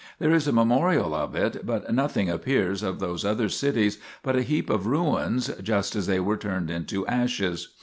There is a memorial of it, but nothing appears of those other cities but a heap of ruins, just as they were turned into ashes.